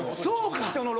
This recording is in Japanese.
そうか！